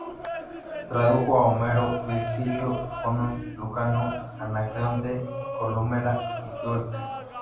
Tradujo a Homero, Virgilio, Conón, Lucano, Anacreonte, Columela y Teócrito.